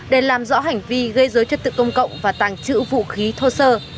để làm rõ hành vi gây dối chất tự công cộng và tàng trữ vũ khí thô sơ